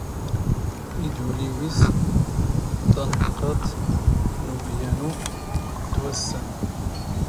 ⵉⴷⵡⵍ ⵉⵡⵉⵙ ⴷ ⴰⵏⵇⵇⴰⵟ ⵏ ⵓⴱⵢⴰⵏⵓ ⵉⵜⵜⵡⴰⵙⵙⴰⵏⵏ.